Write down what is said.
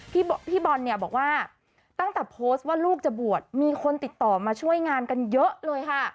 พี่บอลเนี่ยบอกว่าตั้งแต่โพสต์ว่าลูกจะบวชมีคนติดต่อมาช่วยงานกันเยอะเลยค่ะ